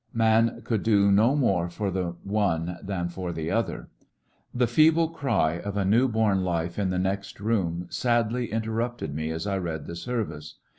Man could do no more for the one than for the other* The feeble cry of a new born life in the next room sadly interrnpted me as I read the service.